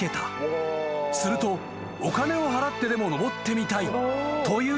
［するとお金を払ってでも登ってみたいという人が現れ］